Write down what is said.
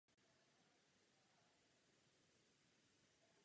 Tyto fáze se předpokládají v pevných částech planetárních jader.